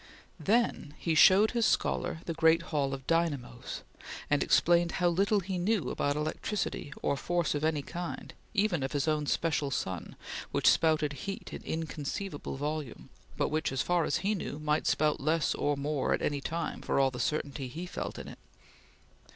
Then he showed his scholar the great hall of dynamos, and explained how little he knew about electricity or force of any kind, even of his own special sun, which spouted heat in inconceivable volume, but which, as far as he knew, might spout less or more, at any time, for all the certainty he felt in it.